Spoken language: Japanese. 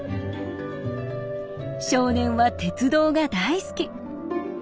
少年は鉄道が大好き。